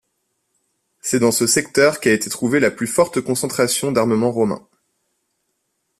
C'est dans ce secteur qu'a été trouvée la plus forte concentration d'armements romains.